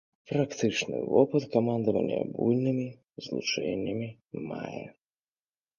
Практычны вопыт камандавання буйнымі злучэннямі мае.